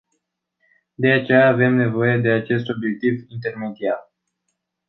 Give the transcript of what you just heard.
De aceea avem nevoie de acest obiectiv intermediar.